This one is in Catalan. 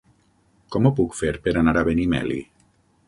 Com ho puc fer per anar a Benimeli?